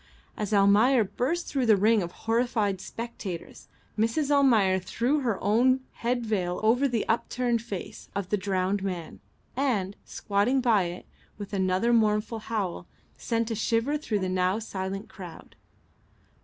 As Almayer burst through the ring of horrified spectators, Mrs. Almayer threw her own head veil over the upturned face of the drowned man, and, squatting by it, with another mournful howl, sent a shiver through the now silent crowd.